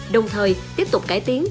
đồng thời tiếp tục cải tiến